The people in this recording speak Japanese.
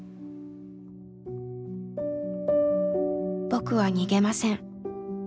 「僕は逃げません」。